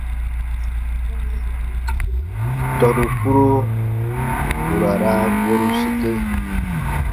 Tɔnu kpuro ku ra raa goru sike.